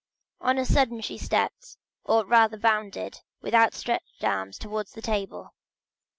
On a sudden she stepped, or rather bounded, with outstretched arms, towards the table.